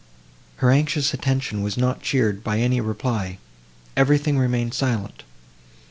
Her anxious attention was not cheered by any reply; everything remained silent.